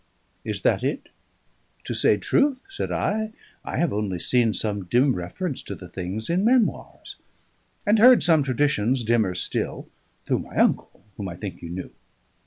"Is that it?" "To say truth," said I, "I have only seen some dim reference to the things in memoirs; and heard some traditions dimmer still, through my uncle (whom I think you knew).